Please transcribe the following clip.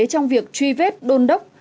trong việc truy vết đôn đốc